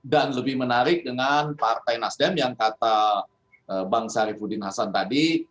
dan lebih menarik dengan partai nasdem yang kata bang syarifudin hasan tadi